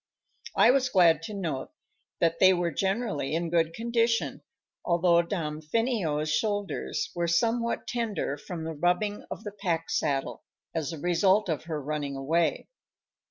I was glad to note that they were generally in good condition, although Damfino's shoulders were somewhat tender from the rubbing of the pack saddle, as the result of her running away.